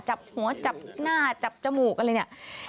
จับหัวจับหน้าจับจมูกอะไรอย่างนี้